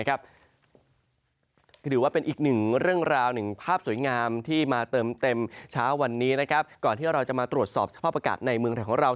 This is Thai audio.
ก็ถือว่าเป็นอีกหนึ่งเรื่องราวหนึ่งภาพสวยงามที่มาเติมเต็มเช้าวันนี้ก่อนที่เราจะมาตรวจสอบสภาพอากาศในเมืองไทยของเรา